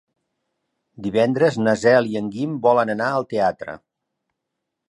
Divendres na Cel i en Guim volen anar al teatre.